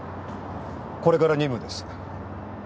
これから任務です。